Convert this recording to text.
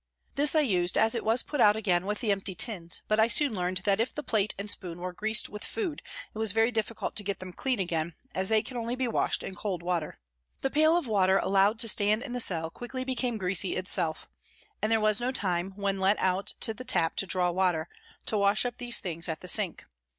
This I used as it was put out again with the empty tins, but I soon learned that if the plate and spoon were greased with food it was very difficult to get them clean again, as they can only be washed in cold water. The pail of water allowed to stand in the cell quickly became greasy itself, and there was no time, when let out to the tap to draw water, to wash up these things at the sink.